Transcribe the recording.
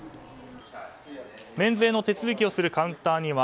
免税の手続きをするカウンターには